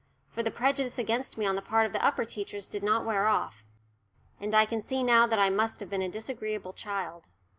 For the prejudice against me on the part of the upper teachers did not wear off. And I can see now that I must have been a disagreeable child.